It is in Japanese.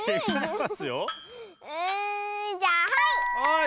うんじゃあはい！